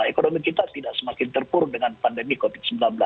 ekonomi kita tidak semakin terpuruk dengan pandemi covid sembilan belas